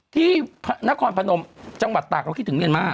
ที่นครพนมจังหวัดตากเราคิดถึงเมียนมาร์